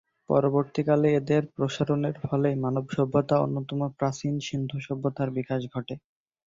পরবর্তীকালে এদের প্রসারণের ফলেই মানব সভ্যতার অন্যতম প্রাচীন সিন্ধু সভ্যতার বিকাশ ঘটে।